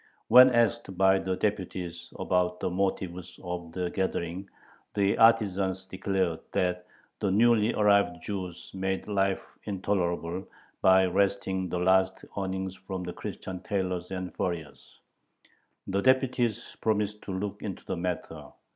When asked by the deputies about the motive of the gathering, the artisans declared that the newly arrived Jews made life intolerable by wresting the last earnings from the Christian tailors and furriers. The deputies promised to look into the matter.